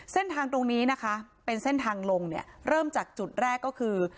เส้นทางตรงนี้นะคะเป็นเส้นทางลงเนี่ยเริ่มจากจุดแรกก็คือ